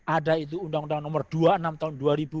ada itu undang undang nomor dua puluh enam tahun dua ribu dua